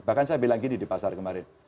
bahkan saya bilang gini di pasar kemarin